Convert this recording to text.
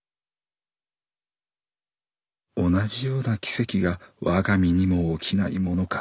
「同じような奇跡が我が身にも起きないものか。